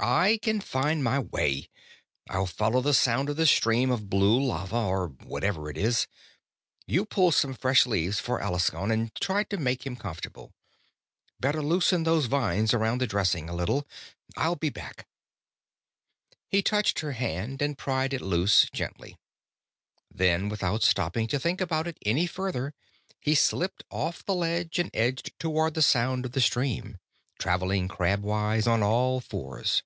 "I can find my way. I'll follow the sound of the stream of blue lava or whatever it is. You pull some fresh leaves for Alaskon and try to make him comfortable. Better loosen those vines around the dressing a little. I'll be back." He touched her hand and pried it loose gently. Then, without stopping to think about it any further, he slipped off the ledge and edged toward the sound of the stream, travelling crabwise on all fours.